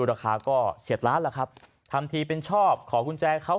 ราคาก็เฉียดล้านล่ะครับทำทีเป็นชอบขอกุญแจเขา